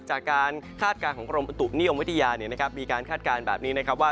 จากการคาดการณ์ของกระทุนี่อมวิทยามีการคาดการณ์แบบนี้ว่า